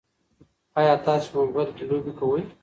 ایا تاسي په موبایل کې لوبې کوئ؟